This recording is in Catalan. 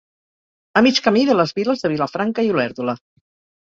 A mig camí de les viles de Vilafranca i Olèrdola.